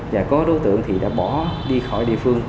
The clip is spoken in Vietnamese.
và có đối tượng thì đã bỏ đi khỏi địa phương